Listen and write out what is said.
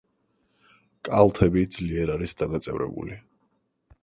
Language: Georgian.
კალთები ძლიერ არის დანაწევრებული.